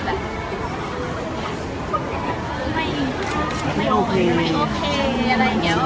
ก็เลยเงียบ